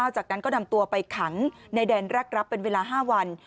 จากนั้นก็นำตัวไปขังในแดนรักรับเป็นเวลา๕วัน